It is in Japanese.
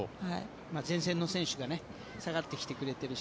前線の選手が下がってきてくれてるし。